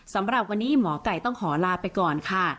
สำหรับวันนี้หมอไก่ต้องขอลาไปก่อนค่ะ